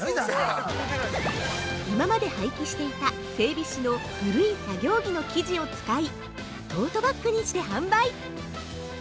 ◆今まで廃棄していた整備士の古い作業着の生地を使いトートバックにして販売！